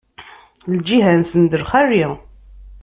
Lǧiha-nsen d lxali.